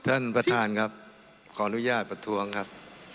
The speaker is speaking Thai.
ท่านประธานครับขออนุญาตประท้วงครับ